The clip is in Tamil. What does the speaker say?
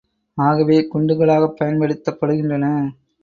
ஆகவே, குண்டுகளாகப் பயன்படுத்தப்படுகின்றன.